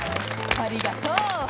ありがとう。